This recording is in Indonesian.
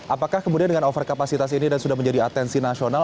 apakah kemudian dengan over kapasitas ini dan sudah menjadi atensi nasional